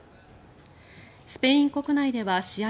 スペイン国内では試合